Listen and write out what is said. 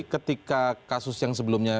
ketika kasus yang sebelumnya